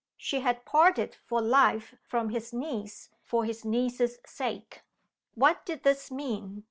She had parted for life from his niece for his niece's sake! What did this mean?